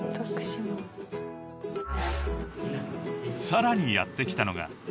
［さらにやって来たのが］